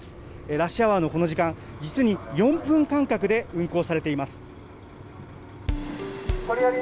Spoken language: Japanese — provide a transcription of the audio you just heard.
ラッシュアワーのこの時間、実に４分間隔で運行されています。